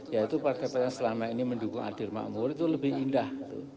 yaitu partai partai yang selama ini mendukung adil makmur itu lebih indah